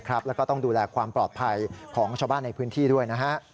แล้วก็ต้องดูแลความปลอดภัยของชาวบ้านในพื้นที่ด้วยนะฮะ